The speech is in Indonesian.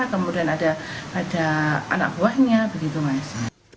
kemudian ada anak buahnya begitu mas